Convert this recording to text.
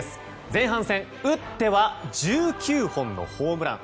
前半戦、打っては１９本のホームラン。